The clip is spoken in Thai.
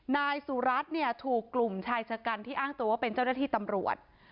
นายสุรัตน์เนี่ยถูกกลุ่มชายชะกันที่อ้างตัวว่าเป็นเจ้าหน้าที่ตำรวจ